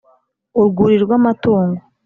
urwuri rw’amatungo ...